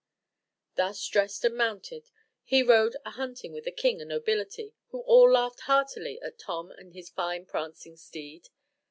Thus dressed and mounted, he rode a hunting with the king and nobility, who all laughed heartily at Tom and his fine prancing steed.